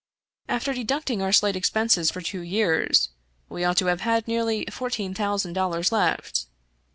After deducting our slight expenses for two years, we ought to have had nearly four teen thousand dollars left.